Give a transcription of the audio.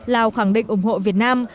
lào khẳng định ủng hộ việt nam